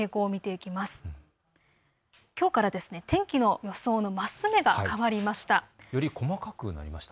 きょうから天気の予想のマス目が変わりました。